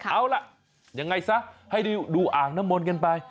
เอาล่ะยังไงซะให้ดูอ่างน้ำมนต์กันไป